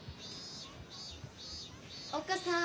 ・おっ母さん